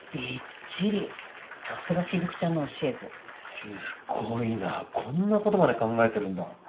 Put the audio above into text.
すごいなこんなことまで考えてるんだ。